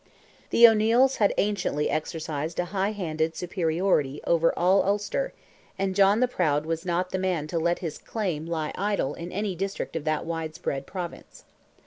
The O'Neils had anciently exercised a high handed superiority over all Ulster, and John the Proud was not the man to let his claim lie idle in any district of that wide spread Province.